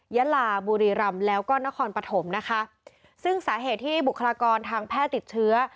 ยาลาบุรีรำแล้วก็นครปฐมนะคะซึ่งสาเหตุที่บุคลากรทางแพทย์ติดเชื้อ